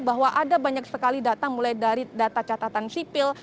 bahwa ada banyak sekali data mulai dari data catatan sipil